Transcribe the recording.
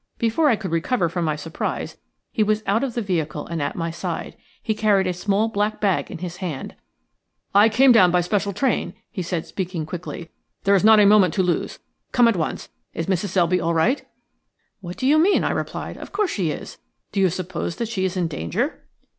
Before I could recover from my surprise he was out of the vehicle and at my side. He carried a small black bag in his hand. "VANDELEUR IN AN OPEN FLY DASHED THROUGH." "I came down by special train," he said, speaking quickly. "There is not a moment to lose. Come at once. Is Mrs. Selby all right?" "What do you mean?" I replied. "Of course she is. Do you suppose that she is in danger?"